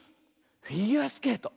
フィギュアスケート。